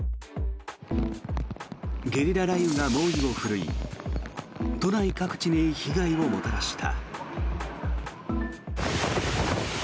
ゲリラ雷雨が猛威を振るい都内各地に被害をもたらした。